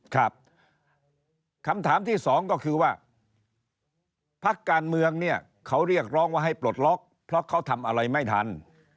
ครับคำถามที่สองก็คือว่าพักการเมืองเนี่ยเขาเรียกร้องว่าให้ปลดล็อกเพราะเขาทำอะไรไม่ทัน